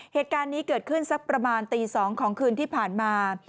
เหตุการณ์นี้เกิดขึ้นสักประมาณตี๒ของคืนที่ผ่านมา